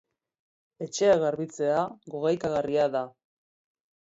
Etxea garbitzea gogaikarria da.